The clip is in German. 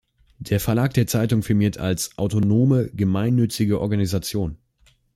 Der Verlag der Zeitung firmiert als „autonome gemeinnützige Organisation“.